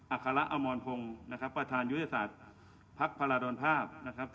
อาคาระอมรพงศ์ประธานยุทธิสัตว์ภัครภาคภาราณภาพ